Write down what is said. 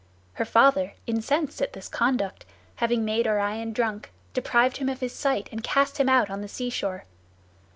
Her father, incensed at this conduct, having made Orion drunk, deprived him of his sight and cast him out on the seashore.